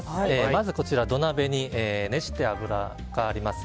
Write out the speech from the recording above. まずこちら土鍋に熱した油があります。